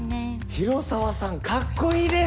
広沢さんかっこいいです。